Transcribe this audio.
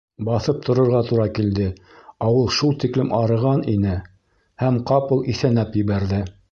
Баҫып торорға тура килде, ә ул шул тиклем арыған ине... һәм ҡапыл иҫәнәп ебәрҙе.